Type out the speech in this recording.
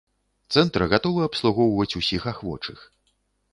Цэнтр гатовы абслугоўваць усіх ахвочых.